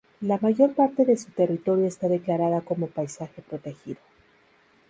La mayor parte de su territorio está declarada como Paisaje Protegido.